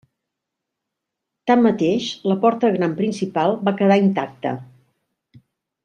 Tanmateix, la porta gran principal va quedar intacta.